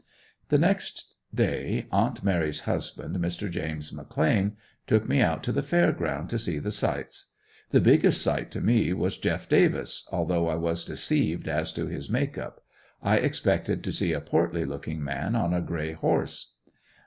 The next day aunt Mary's husband, Mr. James McClain, took me out to the Fair ground to see the sights. The biggest sight to me was Jeff. Davis, although I was deceived as to his makeup; I expected to see a portly looking man on a gray horse.